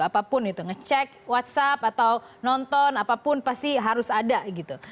apapun itu ngecek whatsapp atau nonton apapun pasti harus ada gitu